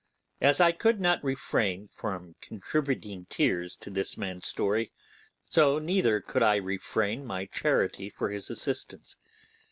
As I could not refrain contributing tears to this man's story, so neither could I refrain my charity for his assistance.